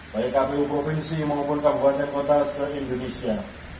baik kpu provinsi maupun kabupaten kota se indonesia